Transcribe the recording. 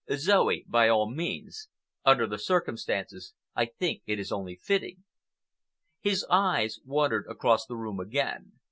"Zoe, by all means. Under the circumstances, I think it is only fitting." His eyes wandered across the room again.